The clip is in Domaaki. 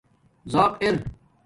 زاق ار